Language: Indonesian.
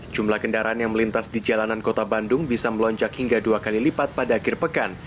jumlah kendaraan yang melintas di jalanan kota bandung bisa melonjak hingga dua kali lipat pada akhir pekan